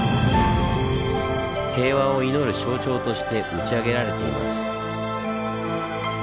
平和を祈る象徴として打ち上げられています。